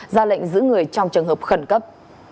ra lệnh giữ người trong trường hợp khẩn cấp